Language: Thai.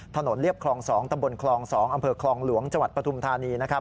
ถนนเลียบคลอง๒ตำบลคลอง๒อำเภอคลองหลวงจปฐุมธานี